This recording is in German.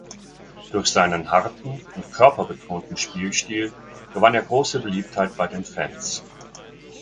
Durch seinen harten und körperbetonten Spielstil gewann er große Beliebtheit bei den Fans.